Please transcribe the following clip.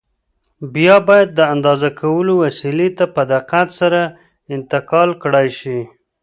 بیا باید د اندازه کولو وسیلې ته په دقت سره انتقال کړای شي.